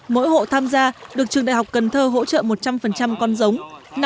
mỗi hộ tham gia được trường đại học cần thơ hỗ trợ một trăm linh con giống